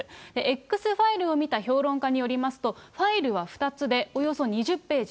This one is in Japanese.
Ｘファイルを見た評論家によりますと、ファイルは２つで、およそ２０ページ。